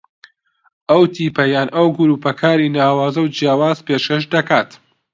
ئەو تیپە یان ئەو گرووپە کاری ناوازە و جیاواز پێشکەش دەکات